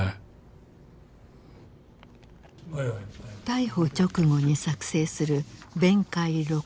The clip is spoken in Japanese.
逮捕直後に作成する弁解録取書。